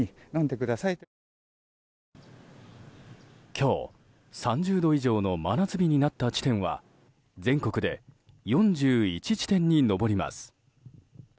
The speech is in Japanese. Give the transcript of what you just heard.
今日、３０度以上の真夏日になった地点は全国で４１地点に上ります。